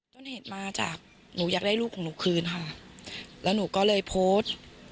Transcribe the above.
ต้นเหตุมาจากหนูอยากได้ลูกของหนูคืนค่ะแล้วหนูก็เลยโพสต์